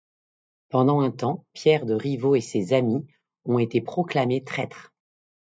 Pendant un temps, Pierre de Rivaux et ses amis ont été proclamés traîtres.